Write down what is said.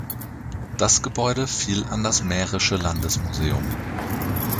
Das Gebäude fiel an das Mährische Landesmuseum.